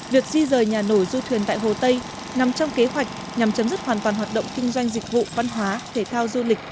việc di rời nhà nổi du thuyền tại hồ tây nằm trong kế hoạch nhằm chấm dứt hoàn toàn hoạt động kinh doanh dịch vụ văn hóa thể thao du lịch